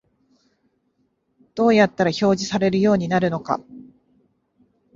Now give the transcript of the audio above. どうやったら表示されるようになるのか